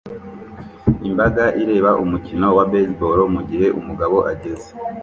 Imbaga ireba umukino wa baseball mugihe umugabo ageze